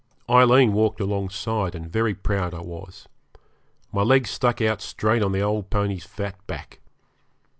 Aileen walked alongside, and very proud I was. My legs stuck out straight on the old pony's fat back.